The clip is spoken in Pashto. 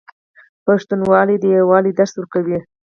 پښتونولي د یووالي درس ورکوي.